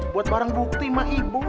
buat barang bukti sama ibu